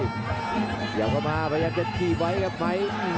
เดี๋ยวก็มาพยายามจะทีไวท์กับไฟต์